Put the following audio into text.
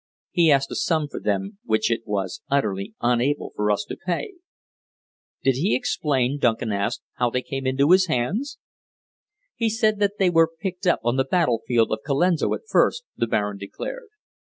He asked a sum for them which it was utterly unable for us to pay." "Did he explain," Duncan asked, "how they came into his hands?" "He said that they were picked up on the battlefield of Colenso at first," the Baron declared.